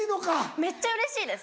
めっちゃうれしいです。